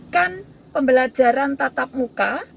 digantikan pembelajaran tatap muka